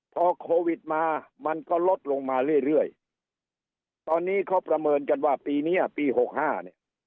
พอโควิดมามันก็ลดลงมาเรื่อยเรื่อยตอนนี้เขาประเมินกันว่าปีเนี้ยปีหกห้าเนี่ย